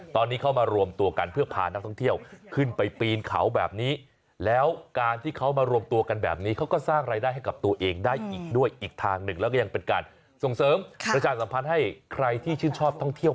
ตอนนี้เขามารวมตัวกันเพื่อพานักท่องเที่ยว